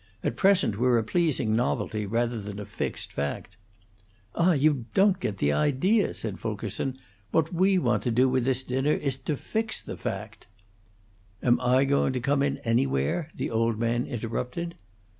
At present we're a pleasing novelty, rather than a fixed fact." "Ah, you don't get the idea!" said Fulkerson. "What we want to do with this dinner is to fix the fact." "Am I going to come in anywhere?" the old man interrupted.